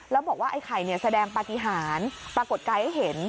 แล้วบอกว่าไอ้ไข่แสดงปฏิหารปรากฏกายให้เห็น